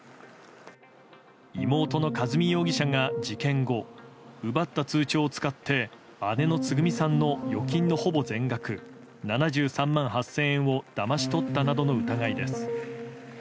妹の和美容疑者が事件後奪った通帳を使って姉のつぐみさんの預金のほぼ全額７３万８０００円をだまし取ったなどの疑いです。